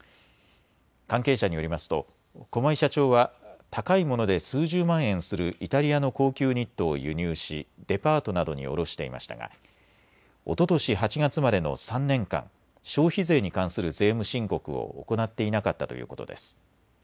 関係者によりますと駒井社長は高いもので数十万円するイタリアの高級ニットを輸入しデパートなどに卸していましたがおととし８月までの３年間、消費税に関する税務申告を行っていなかったということです。